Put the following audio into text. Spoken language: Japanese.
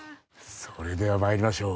それでは参りましょう。